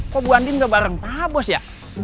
kok buandien udah bareng pak bos ya